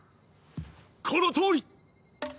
このとおり！